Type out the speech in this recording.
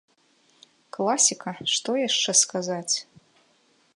Класіка, што яшчэ сказаць.